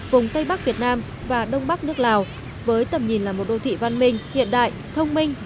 vùng tây bắc việt nam và đông bắc nước lào với tầm nhìn là một đô thị văn minh hiện đại thông minh